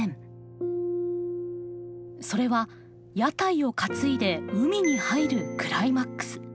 それは屋台を担いで海に入るクライマックス。